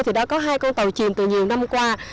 thì đã có hai con tàu chìm từ nhiều năm qua